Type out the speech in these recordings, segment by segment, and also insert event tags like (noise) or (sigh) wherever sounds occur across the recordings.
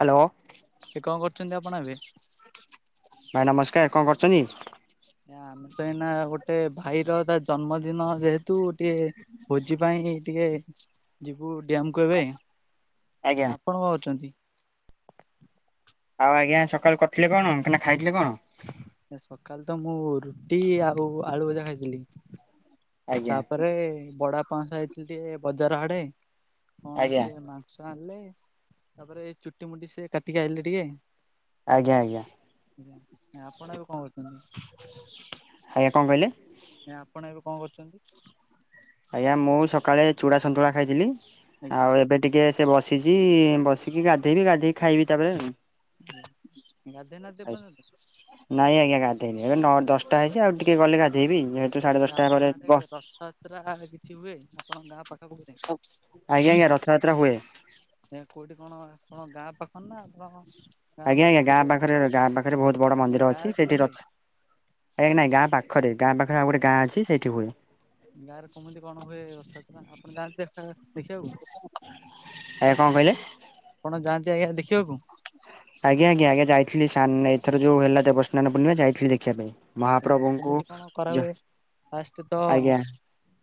Hello. ଇଏ କଣ କରୁଚନ୍ତି ଆପଣ ଏବେ? ଭାଇ ନମସ୍କାର୍ କଣ କରୁଚନ୍ତି? ଆମେ ତ ଏଇନା ଗୋଟେ ଭାଇର ତା ଜନ୍ମଦିନ ଯେହେତୁ ଗୋଟିଏ ଭୋଜି ପାଇଁକି ଟିକେ ଯିବୁ ଡ଼୍ୟାମ୍ କୁ ଏବେ। ଆଜ୍ଞା ଆପଣ କଣ କରୁଚନ୍ତି? ଆଉ ଆଜ୍ଞା ସକାଳୁ କରିଥିଲେ କଣ (unintelligible) ଖାଇଥିଲେ କଣ? ସକାଳେ ତ ମୁଁ ରୁଟି ଆଉ ଆଳୁ ଭଜା ଖାଇଥେଲି। ଆଜ୍ଞା ତାପରେ ବଡ଼ାପାଙ୍କ ସହିତ ଯାଇଥିଲି ଟିକେ ବଜାର ଆଡ଼େ କଣ ଆଜ୍ଞା ସିଏ ମା (unintelligible) ଆଣିଲେ ତାପରେ ଏ ଚୁଟି ମୁୁଟି ସେ କାଟିକି ଆଇଲେ ଟିକେ। ଆଜ୍ଞା ଆଜ୍ଞା ଆଜ୍ଞା। ଆପଣ ଏବେ କଣ କରୁଛନ୍ତି? ଆଜ୍ଞା କଣ କହିଲେ? ଆଜ୍ଞ। ଆପଣ ଏବେ କଣ କରୁଛନ୍ତି? ଆଜ୍ଞା ମୁଁ ସକାଳେ ଚୂଡ଼ା ସନ୍ତୁଳା ଖାଇଥିଲି ଆଜ୍ଞା ଆଉ ଏବେ ଟିକେ ସେ ବସିଛି ବସିକି ଗାଧେଇବି ଗାଧେଇକି ଖାଇବି ତାପରେ ଆଉ ଆଜ୍ଞା, ଗାଧେଇ ନାହାନ୍ତି ଏ ପର୍ଯ୍ୟନ୍ତ! (inaudible) ନାଇଁ ଆଜ୍ଞା ଗାଧେଇନି, ଏବେ ନ ଦଶଟା ହେଇଛି ଆଉ ଟିକେ ଗଲେ ଗାଧୋଇବି ଯେହେତୁ ସାଢ଼େ ଦଶଟା ପରେ ବ ଯାତ୍ରା କିଛି ହୁଏ ଆପଣଙ୍କ ଗାଁ ପାଖାପାଖି ରେ ଆଜ୍ଞା, ଆଜ୍ଞା ରଥଯାତ୍ରା ହୁଏ। ଆଜ୍ଞା କୋଉଠି କଣ ଆପଣ ଗାଁ ପାଖରେ ନା ଆପଣଙ୍କ ଆଜ୍ଞା ଆଜ୍ଞା ଗାଁ ପାଖରେ ଗାଁ ପାଖରେ ବହୁତ୍‌ ବଡ ମନ୍ଦିର ଗାଁରେ ଅଛି କେବେ ସେଇଠି ହୁଏ? ଅଛି ଆଜ୍ଞ। ନାଇଁ ଗାଁ ପାଖରେ ପାଖରେ ଗାଁ ପାଖରେ ଆଉ ଗୋଟେ ଆଜ୍ଞା ଗାଁ ଅଛି ସେଇଠି ହୁଏ। ଗାଁରେ କମିତି କଣ ହୁଏ ରଥଯାତ୍ରା ଆପଣ ଯାଆନ୍ତି ଦେଖିବାକୁ ଆଜ୍ଞା କଣ କହିଲେ? ଆପଣ ଯାନ୍ତି ଆଜ୍ଞା ଦେଖିବାକୁ ଆଜ୍ଞା ଆଜ୍ଞା ଆଜ୍ଞା ଯାଇଥିଲି ସ୍ନା ଏଥର ଯୋଉ ହେଲା ଦେବସ୍ନାନ ପୂର୍ଣ୍ଣିମା ଯାଇଥିଲି ଦେଖିବା ପାଇଁ ଆଜ୍ଞା ମହାପ୍ରଭୁଙ୍କୁ କେମିତି କଣ ଜ କରାହୁଏ ଫାଷ୍ଟ ତ ଆଜ୍ଞା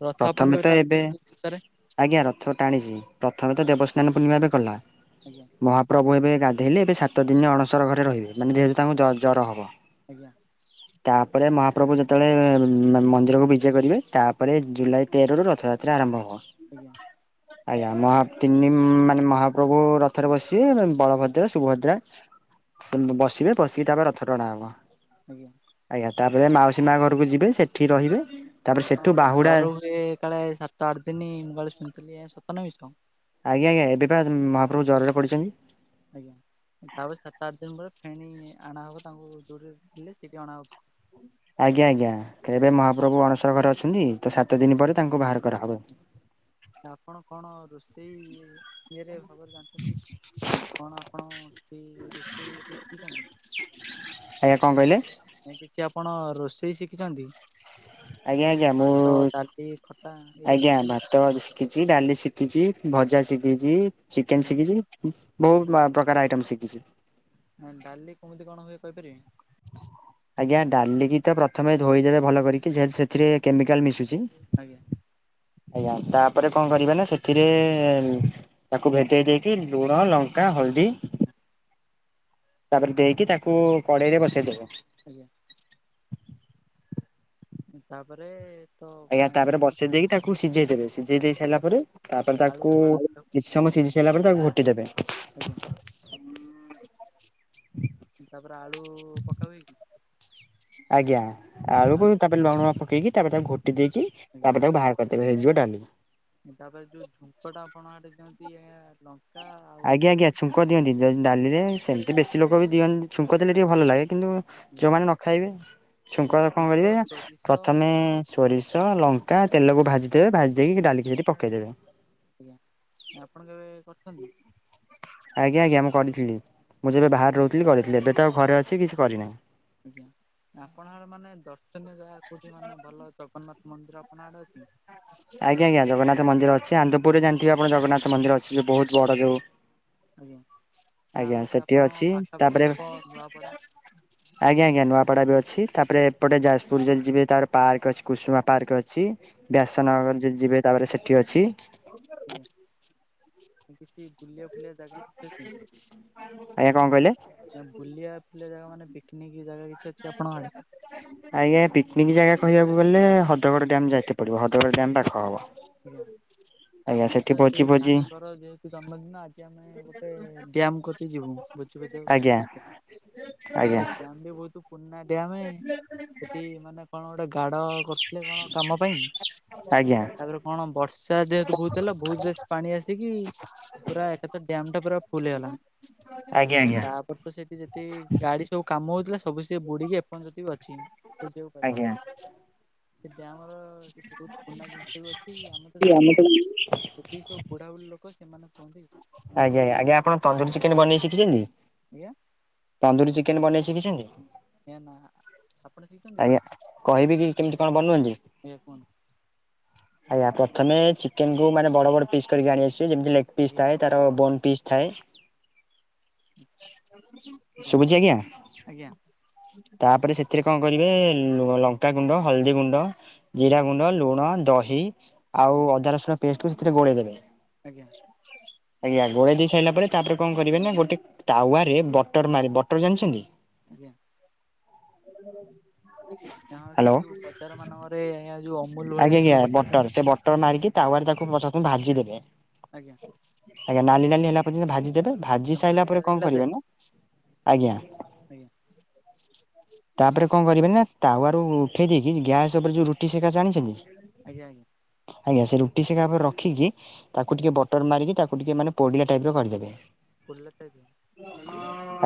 ରଥ ଆପଣ ପ୍ରଥମେ ତ କେବେ ଏବେ ଟାଣିଚନ୍ତି କି (unintelligible) ରେ ଆଜ୍ଞା ରଥ ଟାଣିଛି ପ୍ରଥମେ ତ ଦେବସ୍ନାନ ପୂର୍ଣ୍ଣିମା ବି ଗଲା ଆଜ୍ଞା। ମହାପ୍ରଭୁ ଏବେ ଗାଧେଇଲେ ଏବେ ସାତ ଦିନି ଅଣସର ଘରେ ରହିବେ ମାନେ ଯେହେତୁ ତାଙ୍କୁ ଜର ହବ। ଆଜ୍ଞା। ତାପରେ ମହାପ୍ରଭୁ ଯେତେବେଳେ ମନ୍ଦିରକୁ ବିଜେ କରିବେ ତାପରେ ଜୁଲାଇ ତେରରୁ ରଥଯାତ୍ରା ଆରମ୍ଭ ହବ। ଆଜ୍ଞା। ଆଜ୍ଞା ମହା ତିନି ମାନେ ମହାପ୍ରଭୁ ରଥରେ ବସିବେ ବଳଭଦ୍ର ସୁଭଦ୍ରା ବସିବେ ବସିକି ଆଜ୍ଞା ତାପରେ ରଥ ଟାଣା ହବ ଆଜ୍ଞା। ଆଜ୍ଞା ତାପରେ ମାଉସୀ ମା ଘରକୁ ଯିବେ ସେଠି ରହିବେ। ତାପରେ ଏ କଣ ସେଠୁ ଗୋଟେ ବାହୁଡା ଜିର ହୁଏ କାଳେ ସାତ ଆଠ ଦିନ ମୁଁ କାଳେ ଶୁଣିଥିଲି ସତ ନା ମିଛ ଆଜ୍ଞା ଆଜ୍ଞା ଏବେ ବା ମହାପ୍ରଭୁ ଜ୍ୱରରେ ପଡ଼ିଛନ୍ତି। ଆଜ୍ଞା ତାପରେ ସାତ ଆଠ ଦିନ ପରେ ଫେଣି ଅଣାହେବ ତାଙ୍କୁ ଦୋରରେ ଥିଲେ ସେଠି ଅଣାହବ ଆଜ୍ଞା ଆଜ୍ଞା ଏବେ ମହାପ୍ରଭୁ ଅଣସର ଘରେ ଅଛନ୍ତି ତ ସାତ ଦିନ ପରେ ତାଙ୍କୁ ବାହାର କରାହବ ତ ଆପଣ କଣ ରୋଷେଇ ଇଏ ରେ ଭାବରେ ଜାଣିଛନ୍ତି କଣ ଆପଣ କି ରୋଷେଇ ଶିଖିଛନ୍ତି ଆଜ୍ଞା କଣ କହିଲେ? ନା କିଛି ଆପଣ ରୋଷେଇ ଶିଖିଛନ୍ତି। ଆ ଆଜ୍ଞା ଆଜ୍ଞା ମୁଁ ଭାତ, ଡାଲି, ଖଟା ଏଇଟା ଆଜ୍ଞା କିଛି ଶିଖିଛନ୍ତି ଭାତ ଶିଖିଛି ଡାଲି ଶିଖିଛି ଭଜା ଶିଖିଛି ଚିକେନ୍ ଶିଖିଛି। ବହୁତ୍ ପ୍ରକାର ଆଇଟମ ଶିଖିଛି। ନାଇ ଡାଲି କମିତି କଣ ହୁଏ କହିପାରିବେ (inaudible) ଆଜ୍ଞା ଡାଲିକି ତ ପ୍ରଥମେ ଧୋଇଦେବେ ଭଲ କରିକି ଯେହେତୁ ସେଥିରେ କେମିକାଲ ମିଶୁଛି ଆଜ୍ଞା। ଆଜ୍ଞା ତାପରେ କଣ କରିବା ନା ସେଥିରେ ତାକୁ ଭେଦେଇ ଦେଇକି ଲୁଣ ଲଙ୍କା ହଳଦୀ ତାପରେ ଦେଇକି ତାକୁ କଡ଼େଇରେ ବସେଇଦବ ଆଜ୍ଞା ତାପରେ ତ ଆଜ୍ଞା ପାଣି ତାପରେ ବସେଇ ଦେଇକି ତାକୁ ସିଝେଇ ଦେବେ ସିଝେଇ ଦେଇ ସାରିଲା ପରେ ତାପରେ ଆଳୁ ତାକୁ ଫାଳୁ କିଛି ସମୟ ସିଝି ସାରିଲା ପରେ ତାକୁ ଘୋଟି ଦେବେ ଆଜ୍ଞା ତାପରେ ଆଳୁ ପକା ହୁଏକି ଆଜ୍ଞା ଆଳୁ କୁ ତାପରେ ଲୁଣ ପକେଇକି ତାପରେ ତାକୁ ଘୋଟି ଦେଇକି ଆଜ୍ଞା। ତାପରେ ତାକୁ ବାହା କରିଦେବେ ହେଇଯିବ ଡ଼ାଲି ତାପରେ ଯୋଉ ଝୁଙ୍କ ଟା ଆପଣ ଆଡେ ଦିଅନ୍ତି ଏହା ଲ ଆଜ୍ଞା ଆଜ୍ଞା ଛୁଙ୍କ ଦିଅନ୍ତି ଡାଲିରେ ସେମିତି ବେଶୀ ଲୋକ ବି ଦିଅନ୍ତି ଛୁଙ୍କ ଦେଲେ ଟିକେ ଭଲ ଲାଗେ କିନ୍ତୁ ଯୋଉମାନେ ନ ଖାଇବେ ଛୁଙ୍କ କଣ କରିବେ ଝୁଙ୍କ ନା ସୋରିଷ ପ୍ରଥମେ ସୋରିଷ ଲଙ୍କା ତେଲକୁ ଭାଜିଦେବେ ଭାଜି ଦେଇକି ସେ ଡାଲିକି ସେଠି ପକେଇଦେବେ ଆଜ୍ଞା ଆପଣ କେବେ କରିଛନ୍ତି ଆଜ୍ଞା ଆଜ୍ଞା ମୁଁ କରିଥିଲି ମୁଁ ଯେବେ ବାହାରେ ରହୁଥିଲି କରିଥିଲି ଏବେ ତ ଘରେ ଅଛି କିଛି କରିନାହିଁ ଆଜ୍ଞା ଆପଣଙ୍କ ମାନେ ଦର୍ଶନୀୟ ଜାଗା କୋଉଠି ମାନେ ଭଲ ଜଗନ୍ନାଥ ମନ୍ଦିର ଆପଣ ଆଡେ ଅଛି ଆଜ୍ଞା ଆଜ୍ଞା ଜଗନ୍ନାଥ ମନ୍ଦିର ଅଛି ଆନ୍ଦପୁରରେ ଯେମିତି ଆମର ଜଗନ୍ନାଥ ମନ୍ଦିର ଅଛି ସେ ବହୁତ ବଡ ଯୋଉ ଆଜ୍ଞା ଆଉ ଆଜ୍ଞା ଗୋଟେ ସେଠି ଆପଣ ଅଛି ତାପରେ ପାଖାପାଖି ହବ ନୂଆପଡା ଆଜ୍ଞା ଆଜ୍ଞା ନୂଆପଡା ବି ଅଛି ତାପରେ ଏପଟେ ଯାଜପୁର ଯଦି ଯିବେ ତାପରେ ପାର୍କ କଶ ଅଛି କୁସୁମା ପାର୍କ ଅଛି ବ୍ୟାସନଗର ଯ ଯିବେ ତାପରେ ସେଠି ଅଛି ଆଜ୍ଞା ଆଉ କିଛି ବୁଲିବା ଫୁଲିବା ଜାଗା ସେ ଅଛି ଆଜ୍ଞା କଣ କହିଲେ? ନା ବୁଲିବା ଫୁଲିବା ଜାଗା ମାନେ ପିକନିକ ଜାଗା କିଛି ଅଛି ଆପଣଙ୍କ ଆଡେ ହ ଆଜ୍ଞା ପିକିନିକ୍ ଜାଗା କହିବାକୁ ଗଲେ ହଦଗଡ଼ ଡ୍ୟାମ ଯାଇତେ ପଡିବ ହଦଗଡ଼ ଡ୍ୟାମ ପାଖ ହବ ଆଜ୍ଞା ଆଜ୍ଞା ଆମର ସେଠି ତ ଭୋଜି ସେଇ ଭୋଜି ଭାଇଙ୍କର ଯେହେତୁ ଜନ୍ମଦିନ ଆ ଜି ଆମେ ଗୋଟେ ଡ୍ୟାମ କତି ଯିବୁ ବୁଝୁ ବୁଝୁ ଆଜ୍ଞା ଆମେ ନା ଆଜ୍ଞା ସେ ଡ୍ୟାମ ବି ବହୁତ ପୁରୁଣା ଡ୍ୟାମେ ସେଠି ମାନେ କଣ ଗୋଟେ ଗାଡ କର ଆଜ୍ଞା ତାପରେ କଣ ବର୍ଷା ଯେହେତୁ ବହୁତ ହେଲା ବହୁତ ରେସ ପାଣି ଆସିକି ପୁରା ଏକାଥରେ ଡ୍ୟାମ ଟା ପୁରା ଫୁଲ ହେଇଗଲା ଆଜ୍ଞା ଆଉ ଆଜ୍ଞା। ତାପରେ ତ ସେଠି ଯେ ତୀ ଗାଡି ସବୁ କାମ ହଉଥିଲା ସବୁ ସେ ବୁଡିକି ପର୍ଯ୍ୟନ୍ତ ବି ଅଛି ଖୋଜିବାକୁ ପାଇଲି ଆଜ୍ଞା ସେ ଡ୍ୟାମ ର କିଛି ବହୁତ ପୁରୁଣା ଜିନି ଅଛି ଆମେ ତ ଜାଣିନୁ ଯେତିକି ସବୁ ବୁଢାବୁଢ଼ୀ ଲୋକ ସେମାନେ କୁହନ୍ତି ଆଜ୍ଞା ଆଜ୍ଞା ଆଜ୍ଞା ଆପଣ ତନ୍ଦୁରୀ ଚିକେନ ବନେଇ ଶିଖିଛନ୍ତି ଆଜ୍ଞା ତନ୍ଦୁରୀ ଚିକେନ ବନେଇ ଶିଖିଛନ୍ତି ଆଜ୍ଞା ନା ଆପଣ ଶିଖିଛନ୍ତି କି? ଆଜ୍ଞା କହିବି କି କେମିତି କଣ ବନୁଅନ୍ତି ଆଜ୍ଞା କୁହନ୍ତୁ ଆଜ୍ଞା ପ୍ରଥମେ ଚିକେନ କୁ ମାନେ ବଡ ବଡ ପିସ୍ କରିକି ଆଣି ଆସିବେ ଯେମିତି ଲେଗ ପିସ୍ ଆଜ୍ଞା ଥାଏ ତାର ବନ ପିସ୍ ଥାଏ ଶୁଭୁଛି ଆଜ୍ଞା ଆଜ୍ଞା ତାପରେ ସେଥିରେ କଣ କରିବେ ଲଙ୍କାଗୁଣ୍ଡ ହଳଦୀ ଗୁଣ୍ଡ ଆଜ୍ଞା ଜିରାଗୁଣ୍ଡ, ଲୁଣ, ଦହି ଆଉ ଅଦା ରସୁଣ ପେଷ୍ଟକୁ ସେଥିରେ ଗୋଳେଇଦେବେ। ଆଜ୍ଞା। (inaudible) ଆଜ୍ଞା ଗୋଳେଇ ଦେଇ ସାରିଲା ପରେ ତାପରେ କଣ କରିବେ ନା ଗୋଟେ ତାୱାରେ ବଟର୍ ମାରି, ବଟର୍ ଜାଣିଛନ୍ତି? ଆଜ୍ଞା। (unintelligible) ହଁ ସେ ହ୍ୟାଲୋ ଯୋଉ ବଜାର ମାନଙ୍କରେ ଆଜ୍ଞା ଯୋଉ ଅମୁଲ୍ ଭଳିଆ ଯୋଉ ବଟର୍। ବଟର୍, ସେ ବଟର୍ ମାରିକି ତାୱାରେ ତାକୁ (unintelligible) ଭାଜିଦେବେ। ଆଜ୍ଞା ଆଜ୍ଞା ନାଲି ନାଲି ହେଲା ପଯ୍ୟନ୍ତ ଭାଜି ଦେବେ, ଭାଜି ପୁରା ସାଇଲା ପରେ କଣ ମେଳେଇଲା ଯାଏ କରିବେ ନା ଆଜ୍ଞା। ଆଜ୍ଞା ତାପରେ କଣ କରିବେ ନା ତାୱାରୁ ଉଠେଇ ଦେଇକି ଗ୍ୟାସ୍ ଉପରେ ଯୋଉ ରୁଟି ସେକା ଜାଣିଛନ୍ତି? ଆଜ୍ଞା, ଆଜ୍ଞା। ଆଜ୍ଞା ସେ ରୁଟି ସେକା ଉପରେ ରଖିକି ତାକୁ ଆଜ୍ଞା ଟିକେ ବଟର୍ ମାରିକି ତାକୁ ଟିକେ ମାନେ ପୋଡ଼ିଲା ଟାଇପର କରିଦେବେ। ପୋଲା ଟାଇପ୍ ର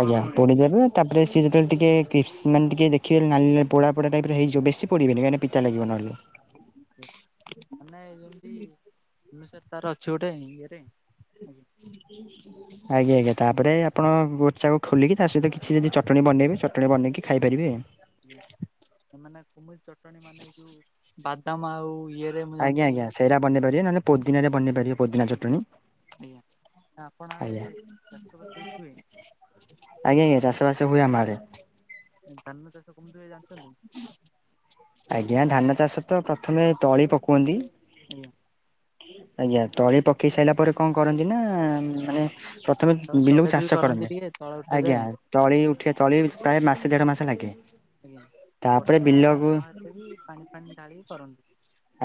ଆଜ୍ଞା ପୋଡ଼ିିଦେବେ ତାପରେ ସେ ଯେତେଳେ ଟିକେ କିପ୍ସ ମାନେ ଟିକେ ଦେଖିବେ ନାଲି ନାଲି ପୋଡ଼ା ପୋଡ଼ା ଟାଇପ୍ ର ହେଇଯିବ ବେଶୀ ପୋଡ଼ିବେନି କାଇଁନା ପିତା ଲାଗିବ ନହେଲେ। ମାନେ ଏଇ ଯେମିତି ଭୁବେନେଶ୍ୱର ତାର ଅଛି ଗୋଟେ ଇଏରେ ଆଜ୍ଞା। (inaudible) ଆଜ୍ଞା ଆଜ୍ଞା ତାପରେ ଆପଣ ଗୋଚାକୁ ଖୋଲିକି ତା ସହିତ କିଛି ଯଦି ଚଟଣୀ ବନେଇବେ ଚଟଣୀ ବନେଇକି ଖାଇପାରିବେ। ଆଜ୍ଞା ମାନେ କେମିତି ଚଟଣୀ ମାନେ ଏଇ ଯୋଉ ବାଦାମ ଆଉ ଇଏ ଆଜ୍ଞା ଆଜ୍ଞା ସେଇରା ବନେଇପାରିବେ ନହନେ ପୋଦିନାରେ ବନେଇପାରିବେ ପୋଦିନା ଚଟଣୀ। ଆଜ୍ଞା। ଆପଣ ଆଡେ ଆଜ୍ଞା, ଚାଷ ବାସ କିଛି ହୁଏ? ଆଜ୍ଞା ଆଜ୍ଞା ଚାଷବାସ ହୁଏ ଆମଆଡ଼େ ଧାନ ଚାଷ କେମିତି ହୁଏ ଜାଣିଛନ୍ତି? ଆଜ୍ଞା ଧାନ ଚାଷ ତ ପ୍ରଥମେ ତଳି ପକୁଅନ୍ତି। ଆଜ୍ଞା। ଆଜ୍ଞା ତଳି ପକେଇ ସାଇଲା ପରେ କଣ କରନ୍ତି ନା ମାନେ ପ୍ରଥମେ ତାପରେ ଜଗା ବିଲକୁ ଜଗି ଚାଷ କରନ୍ତି, ଟିକେ ତଳେ ଆଜ୍ଞା ଉଠାଯାଏ ତଳି ଉଠେ ତଳି ପ୍ରାୟ ମାସେ ଦେଢ଼ମାସେ ଲାଗେ। ଆଜ୍ଞା ତାପରେ ବର୍ଷା ବିଲକୁ ନହେଲେ ବି ପାଣି ଫାଣି ଢାଳିକି କରନ୍ତି।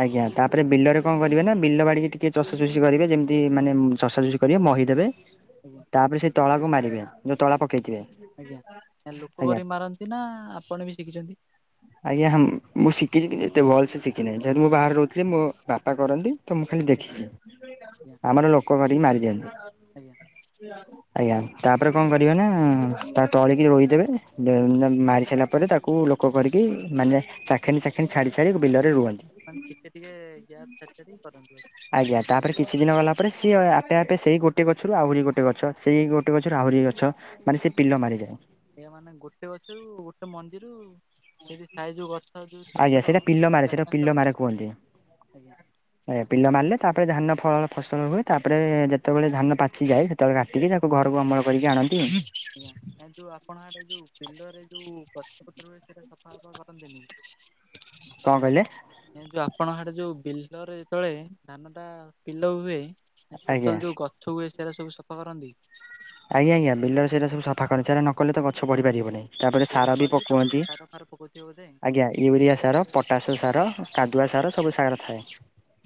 ଆଜ୍ଞା ତାପରେ ବିଲରେ କଣ କରିବେ ନା ବିଲ ବାଡିକି ଟିକେ ଚଷାଚୁଷି କରିବେ ଯେମିତି ମାନେ ଚଷାଚୁଷି କରିବେ ମହିଦେବେ। ଆଜ୍ଞା। ତାପରେ ସେଇ ତଳାକୁ ମାରିବେ ଯୋଉ ତଳା ପକେଇଥିବେ। ଆଜ୍ଞା ଲୋକ ଆଜ୍ଞା କରିକି ମାରନ୍ତି ନା ଆପଣ ବି ଶିଖିଛନ୍ତି? ଆଜ୍ଞା ହଁମ୍ ମୁଁ ଶିଖିଛି ଟିକେ ଏତେ ଭଲସେ ଶିଖିିନେହିଁ ଯେହେତୁ ମୁଁ ବାହାରେ ରହୁଥିଲି ମୋ ବାପା କରନ୍ତି। ତ ମୁଁ ଖାଲି ଦେଖିଛି, ଆଜ୍ଞା ଆମର ଲୋକ କରିକି ମାରି ଦିଅନ୍ତି। ଆଜ୍ଞା ଆଜ୍ଞା ତାପରେ କଣ କରିବେ ନା ତା ତଳିକି ରୋଇଦେବେ, (unintelligible) ମାରି ସାରିଲା ପରେ ତାକୁ ଲୋକ କରିକି ମାନେ ଚାଖେଣ୍ଡେ ଚାଖେଣ୍ଡେ ଛାଡ଼ିଛାଡ଼ି ବିଲରେ ରୁଅନ୍ତି। ମାନେ ଟିକେ ଟିକେ ଗ୍ୟାପ୍ ଛାଡ଼ି ଛାଡ଼ି କରନ୍ତି ବୋଧେ। ଆଜ୍ଞା ତାପରେ କିଛିଦିନ ଗଲାପରେ ସିଏ ଆପେ ଆପେ ସେଇ ଗୋଟେ ଗଛରୁ ଆହୁରି ଗୋଟେ ଗଛ, ସେଇ ଗୋଟେ ଗଛରୁ ଆହୁରି ଗଛ। ମାନେ ସେ ପିଲ ମାରିଯାଏ। ଆଜ୍ଞା ମାନେ ଗୋଟେ ଗଛରୁ ଗୋଟେ ମଞ୍ଜିରୁ ସେଇଟି ଥାଏ ଯୋଉ ଗଛ ଯୋଉ ଛୋଟ ଆଜ୍ଞା ସେଇଟା ଛୋଟ, ପିଲ ସେଇଟୁ ମାରେ ଚାରି ସେଇଟା ପିଲ ପାଞ୍ଚଟା ଗଛ, ମାରେ କୁହନ୍ତି। ଆଜ୍ଞା। ଆଜ୍ଞା ପିଲ ମାରିଲେ ତାପରେ ଧାନ ଫଳ ଫସଲ ହୁଏ ତାପରେ ଯେତେବେଳେ ଧାନ ପାଚିଯାଏ ସେ ତବେଳେ କାଟିକି ତାକୁ ଘରକୁ ଅମଳ କରିକି ଆଣନ୍ତି। ଆଜ୍ଞା ଯୋଉ ଆପଣ ଆଡେ ଯୋଉ ପିଲରେ ଯୋଉ ଗଛ ପତ୍ର ହୁଏ ସେଇଟା ସଫା ସଫା କରନ୍ତିନି? କଣ କହିଲେ, ଏ ଯୋଉ ଆପଣଙ୍କ ହାଡେ ଯୋଉ ବିଲରେ ଯେତେବେଳେ ଧାନ ଟା ପିଲ ହୁଏ ଆଜ୍ଞା। ସେତେବେଳେ ଯୋଉ ଗଛ ହୁଏ ସେଇଟା ସବୁ ସଫା କରନ୍ତି। ଆଜ୍ଞା ଆଜ୍ଞା ବିଲରେ ସେଟା ସଫା କର ସେଟା ନ କଲେ ତ ଗଛ ବଢିପାରିବ ନି ତାପରେ ସେଇଟା ସାର ବି କରିକି ତାପରେ ପକଉନ୍ତି ସାର ଫାର ପକଉଥିବେ ବୋଧେ? ଆଜ୍ଞା ୟୁରିଆ ସାର ପଟାସ ସାର କାଦୁଆ ଆଜ୍ଞା ସାର ସବୁ ସାର ଥାଏ।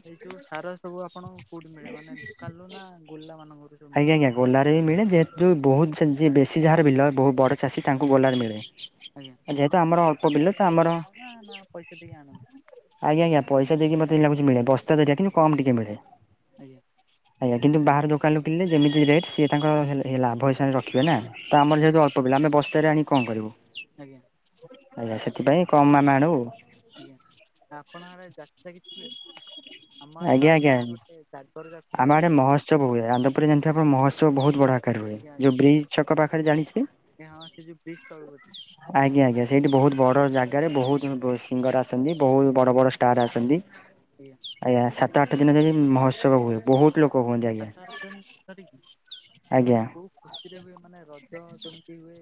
ଏଇ ସବୁ ସାର ସବୁ ଆପଣଙ୍କୁ କୋଉଠି ମିଳେ ମାନେ ଦକାନ ରୁ ଗୋଲଲା ମାନଙ୍କ ଠାରୁ। ଆଜ୍ଞା ଆଜ୍ଞା ଗୋଲାରେ ବି ମିଳେ ଯେହେତୁ ବହୁତ ବେଶୀ ଯାହାର ବିଲ ବହୁତ ବଡ଼ ଚାଷୀ ତାଙ୍କୁ ଗୋଲାରେ ମିଳେ, ଯେହେତୁ ଆମର ଅଳ୍ପ ବିଲ ତ ଆମର (unintelligible) (inaudible) ଆଜ୍ଞା! ଆଜ୍ଞା କିନ୍ତୁ ବାହାର ଦୋକାନରୁ କିଣିଲେ ଯେମିତି ରେଟ୍ ସିଏ ତାଙ୍କ ଲାଭ ହିସାବରେ ରଖିବେ ନା ତ ଆମର ଆଜ୍ଞା ଯେହେତୁ ଅଳ୍ପ ପିଲା ଆମେ ବସ୍ତାରେ ଆଣି କଣ କରିବୁ ଆଜ୍ଞା, ଆଜ୍ଞା ସେଥିପାଇଁ କମ ମାମେ ଆଣୁ, ଆଜ୍ଞା ଆପଣଙ୍କ ଆଡେ ଯାତ୍ରା କିଛି ହୁଏ। ଆମ ଆଡେ ତ ଆଜ୍ଞା ଆଜ୍ଞା ଗୋଟେ ଜାଗର ଯାତ୍ରା ଆମ ହୁଏ। ଆଡ଼େ ମହତ୍ସବ ହୁଏ ଆନ୍ଦ୍ରପୁରରେ ଜାଣିଥିବେ ଆପଣ ମହୋତ୍ସବ ବହୁତ ବଢ଼ା ପାଖରେ ହୁଏ ଆଜ୍ଞା ଆଜ୍ଞା ଯେଉଁ ବ୍ରିଜ୍ ଛକ ପାଖରେ ଜାଣିଥିବେ ଏ ହଁ ସେ ଯେଉ ବ୍ରିଜ ତଳକୁ ଅଛି ଆଜ୍ଞା ଆଜ୍ଞା ସେଇଠି ବହୁତ ବଡ଼ ଜାଗାରେ ବହୁତ ସିଙ୍ଗର ଆସନ୍ତି ବହୁତ ବଡ଼ ବଡ଼ ଷ୍ଟାର୍ ଆସନ୍ତି ଆଜ୍ଞା! ଆଜ୍ଞା ସାତ ଆଠ ଦିନ ଯାଏ ମହୋତ୍ସବ ହୁଏ ବହୁତ ଲୋକ ହୁଅନ୍ତି ଆଜ୍ଞା ସାତ ଆଠ ଦିନ ଧରି କି ଆଜ୍ଞା। ସେମାନେ କଉ ଖୁସିରେ ହୁଏ ମାନେ ରଜ ଯେମିତି ହୁଏ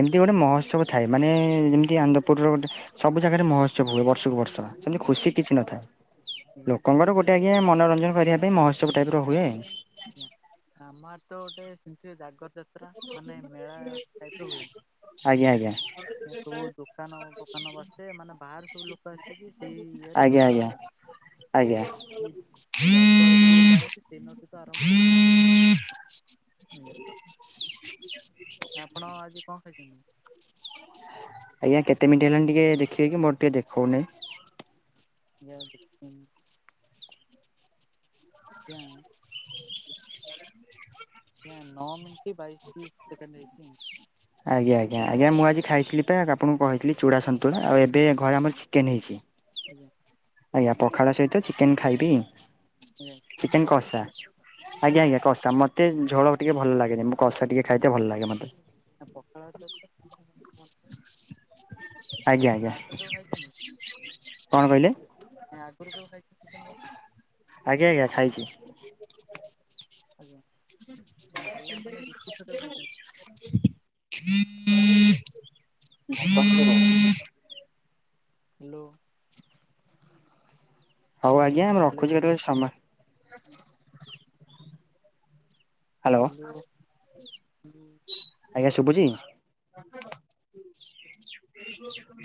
ଏମିତି ଗୋଟେ ମହୋତ୍ସବ ଥାଏ ମାନେ ଯେମିତି ଆନ୍ଦ୍ରପୁରର ଗୋଟେ ସବୁ ଜାଗାରେ ମହୋତ୍ସବ ହୁଏ ବର୍ଷକୁ ବର୍ଷ ସେମିତି ଖୁସି କିଛି ନଥାଏ ଆଜ୍ଞା ଲୋକଙ୍କର ଗୋଟେ ଆଜ୍ଞା ମନୋରଞ୍ଜନ କରିବା ପାଇଁ ମହୋତ୍ସବ ଟାଇପରେ ହୁଏ, ଆଜ୍ଞା ଆମର ତ ଗୋଟେ ସେମିତି ଜାଗର ଯାତ୍ରା ମାନେ ମେଳା ଟାଇପ ର ହୁଏ ଆଜ୍ଞା ଆଜ୍ଞା, ଏ ସବୁ ଦୋକାନ ଫୋକାନ ବସେ ମାନେ ବାହାରୁ ସବୁ ଲୋକ ଆସିକି ସେଇ ଇଏରେ ଆଜ୍ଞା ଦୋକାନ ଆଜ୍ଞା। ଆଜ୍ଞା। ଯାଗର ଯୋଉ ଜାଳନ୍ତି ସେଇ ଦିନ ଠୁ ତ ଆରମ୍ଭ ହୁଏ। ଆପଣ ଆଜି କଣ ଖାଇଛନ୍ତି? ଆଜ୍ଞା କେତେ ମିନିଟ ହେଲାଣି ଟିକେ ଦେଖିବେ କି ମୋର ଟିକେ ଦେଖଉନାହିଁ। (unintelligible) ଆଜ୍ଞା। ଆଜ୍ଞା ନଅ ମିନିଟ୍ ବାଇଶି ସେକେଣ୍ଡ ହେଇଛି ଆଉ। ଆଜ୍ଞା ଆଜ୍ଞା ଆଜ୍ଞା ମୁଁ ଆଜି ଖାଇଥିଲି ପା ଆପଣଙ୍କୁ କହିଥିଲି ଚୂଡ଼ା ସନ୍ତୁଳା ଆଉ ଏବେ ଘରେ ଆମର ଚିକେନ୍ ହେଇଛି। ଆଜ୍ଞା। ଆଜ୍ଞା ପଖାଳ ସହିତ ଚିକେନ୍ ଖାଇବି। ଆଜ୍ଞା ଚିକେନ୍ କଷା କସା। ନା ଚିକେନ୍ ଆଜ୍ଞା ଆଜ୍ଞା କଷା କସା ମ ମତେ ଝୋଳ ଟିକେ ଭଲ ଲାଗେନି ମୁଁ କସା ଟିକେ ଖାଇତେ ଭଲ ଲାଗେ ମତେ। ନା ପଖାଳ ଭାତରେ ଚିକେନ୍ କଷା ଭଲ ଲାଗେ ଆଜ୍ଞା ଆଜ୍ଞା, କଣ କହିଲେ? ନା ଆ ଆଗରୁ କେବେ ଖାଇଛ ଚିକେନ୍ କସା? ଆଜ୍ଞା ଆଜ୍ଞା ଖାଇଛି। ଆଜ୍ଞା ଆ ଭଲ ଲାଗେ ମାନେ ରୁଟି ସହିତ ଖାଇଛନ୍ତି। (inaudible) Hello hello. ହଉ ଆଜ୍ଞା ମୁଁ ହ୍ୟାଲୋ ରଖୁଚି କେତେବେଳେ ସମୟ ହ୍ୟାଲୋ ହାଲୋ ହୁଁ। ଆଜ୍ଞା ଶୁଭୁଛି?